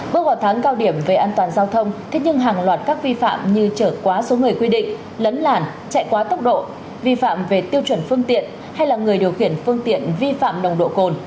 bước vào tháng cao điểm về an toàn giao thông thế nhưng hàng loạt các vi phạm như chở quá số người quy định lấn làn chạy quá tốc độ vi phạm về tiêu chuẩn phương tiện hay là người điều khiển phương tiện vi phạm nồng độ cồn